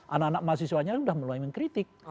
anak anak mahasiswanya sudah mulai mengkritik